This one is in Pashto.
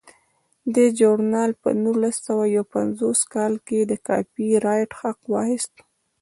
دې ژورنال په نولس سوه یو پنځوس کال کې د کاپي رایټ حق واخیست.